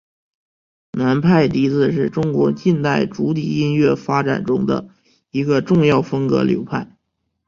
南派笛子是中国近代竹笛音乐发展中的一个重要风格流派。